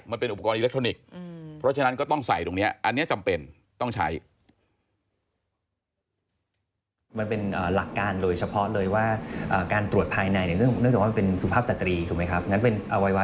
มันเป็นอุปกรณ์อิเล็กทรอนิกส์